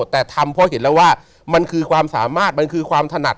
แต่ทำเพราะเห็นแล้วว่ามันคือความสามารถมันคือความถนัด